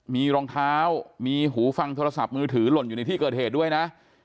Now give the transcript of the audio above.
มีรองเท้ามีหูฟังโทรศัพท์มือถือหล่นอยู่ในที่เกิดเหตุด้วยนะ